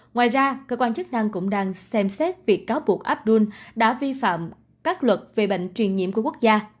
ngoài ra cơ quan chức năng cũng đang xem xét việc cáo buộc abdul đã vi phạm các luật về bệnh truyền nhiễm của quốc gia